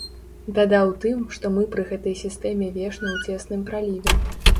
Бяда ў тым, што мы пры гэтай сістэме вечна ў цесным праліве.